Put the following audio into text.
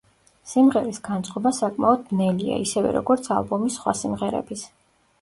სიმღერის განწყობა საკმაოდ ბნელია, ისევე როგორც ალბომის სხვა სიმღერების.